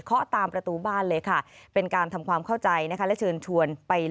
ครูคอเชิญชวนไปลงประชามาติวันที่๗สิงหาปี๕๙ค่ะ